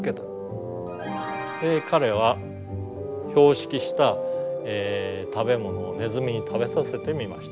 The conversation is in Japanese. で彼は標識した食べ物をネズミに食べさせてみました。